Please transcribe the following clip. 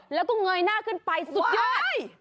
แล้วก็เงยหน้าขึ้นไปสุดยอด